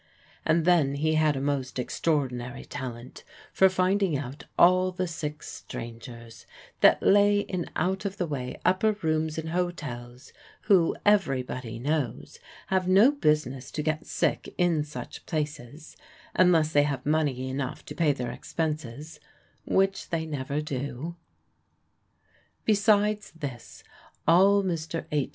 And then he had a most extraordinary talent for finding out all the sick strangers that lay in out of the way upper rooms in hotels, who, every body knows, have no business to get sick in such places, unless they have money enough to pay their expenses, which they never do. Besides this, all Mr. H.'